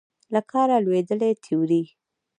له کاره لوېدلې تیورۍ